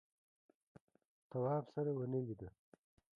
تواب سره ونه ولیده.